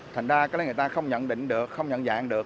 thành ra có lẽ người ta không nhận định được không nhận dạng được